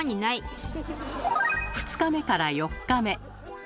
２日目から４日目。